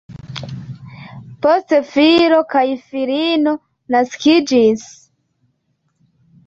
Poste filo kaj filino naskiĝis.